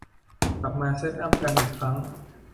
กลับมาเซตอัพกันอีกครั้ง